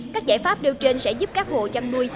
các giải pháp đều trên sẽ giúp các hộ chăm nuôi